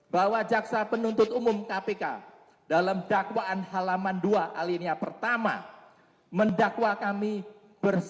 dua puluh satu bahwa jaksa penuntut umum kpk dalam dakwaan halaman dua alinia pertama mendakwa kami berhubungan